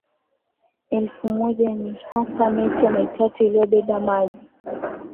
Elfu moja Ni hasa mito mitatu inayobeba maji